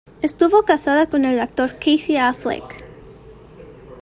Estuvo casada con el actor Casey Affleck.